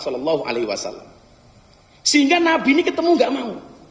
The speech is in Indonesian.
sehingga nabi ini ketemu gak mau